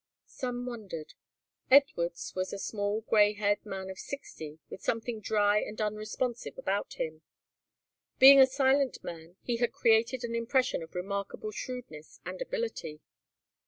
Sam wondered. Edwards was a small grey haired man of sixty with something dry and unresponsive about him. Being a silent man, he had created an impression of remarkable shrewdness and ability.